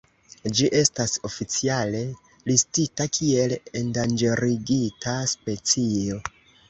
Ĝi estas oficiale listita kiel endanĝerigita specio.